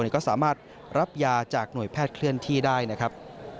ก็สามารถรับยาจากหน่วยแพทย์เคลื่อนที่ได้นะครับ